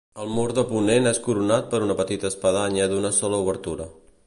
El mur de ponent és coronat per una petita espadanya d'una sola obertura.